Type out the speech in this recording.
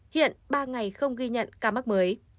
hiện ba ngày không ghi nhận ca mắc mới